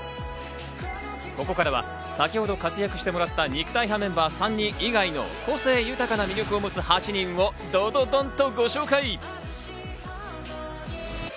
ここからは先ほど活躍してもらった肉体派メンバー３人以外の個性豊かな魅力を持つ８人をドドドンとご紹介。